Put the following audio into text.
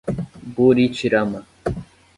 Buritirama